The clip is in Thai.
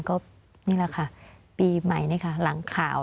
ก็นี่แหละค่ะปีใหม่นี่ค่ะหลังข่าว